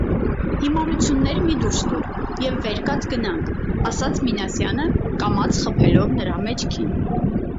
- Հիմարություններ մի դուրս տուր և վեր կաց գնանք,- ասաց Մինասյանը կամաց խփելով նրա մեջքին: